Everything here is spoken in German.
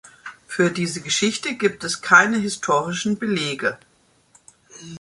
Für diese Geschichte gibt es keine historischen Belege.